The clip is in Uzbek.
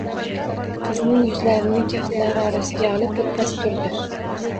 Qizning yuzlarini kaftlari orasiga olib birpas turdi